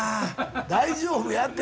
大丈夫やて。